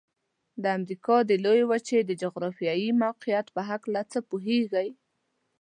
د امریکا د لویې وچې د جغرافيايي موقعیت په هلکه څه پوهیږئ؟